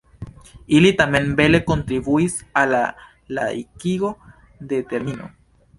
Ili tamen bele kontribuis al la laikigo de termino.